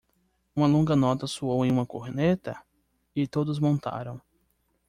Uma longa nota soou em uma corneta? e todos montaram.